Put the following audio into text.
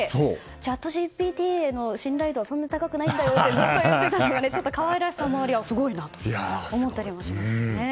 ＣｈａｔＧＰＴへの信頼度はそんなに高くないんだよってずっと言っていたのが可愛らしさもあってすごいなと思ったりもしました。